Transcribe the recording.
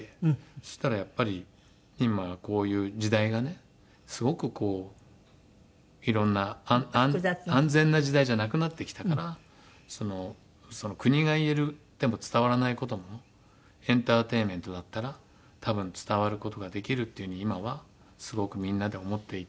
そしたらやっぱり今こういう時代がねすごくこういろんな安全な時代じゃなくなってきたから国が言っても伝わらない事もエンターテインメントだったら多分伝わる事ができるっていうふうに今はすごくみんなで思っていて。